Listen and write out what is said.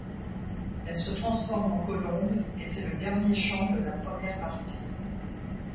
Elle se transforme en colombe et c'est le dernier chant de la première partie.